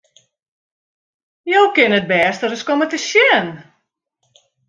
Jo kinne it bêste ris komme te sjen!